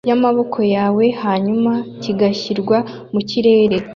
yamaboko yawe hanyuma kigashyirwa mu kirere